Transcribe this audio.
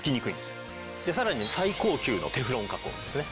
さらに最高級のテフロン加工ですね。